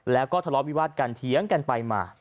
แล้วก็ทะเลาะวิวาดกันเถียงกันไปมา